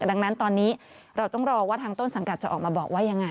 ดังนั้นตอนนี้เราต้องรอว่าทางต้นสังกัดจะออกมาบอกว่ายังไง